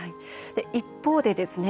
一方でですね